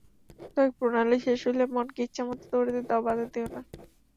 দৈহিক প্রণালী শেষ হইলে মনকে ইচ্ছামত দৌড়াইতে দাও, বাধা দিও না।